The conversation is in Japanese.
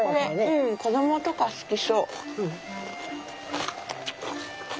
うん子供とか好きそう。